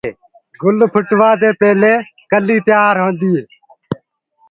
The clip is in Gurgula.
گُل ڦُٽوآدي پيلي ڪلي تيآر هوندي هي۔